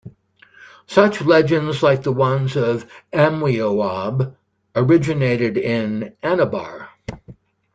Such legends like the ones of 'Amwieob' originated in Anabar.